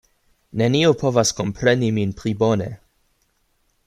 Neniu povas kompreni min pli bone.